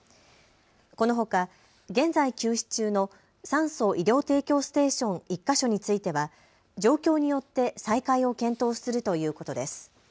このほか現在休止中の酸素・医療提供ステーション１か所については状況によって再開を検討するということです。